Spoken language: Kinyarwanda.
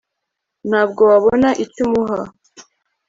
ntabwo wabona icyo umuha